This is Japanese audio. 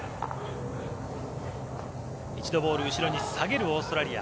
一度、ボールを後ろに下げるオーストラリア。